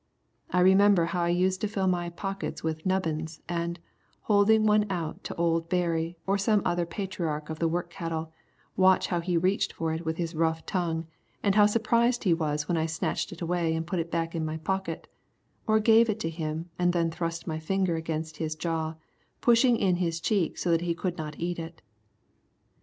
I remember how I used to fill my pockets with "nubbins" and, holding one out to old Berry or some other patriarch of the work cattle, watch how he reached for it with his rough tongue, and how surprised he was when I snatched it away and put it back in my pocket, or gave it to him, and then thrust my finger against his jaw, pushing in his cheek so that he could not eat it.